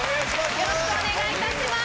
よろしくお願いします。